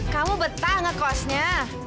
kamu betah ngekosnya